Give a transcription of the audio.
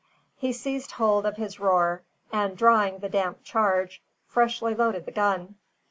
He seized hold of his roer, and, drawing the damp charge, freshly loaded the gun.